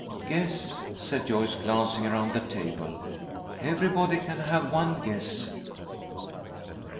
"Guess!" said Joyce, glancing around the table. "Everybody can have one guess."